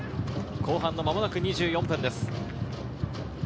後半の間もなく２４分です。